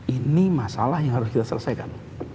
ini masalah yang harus kita selesaikan